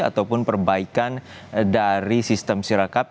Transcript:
ataupun perbaikan dari sistem si rekap